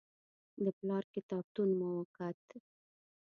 د پلار کتابتون مو وکت.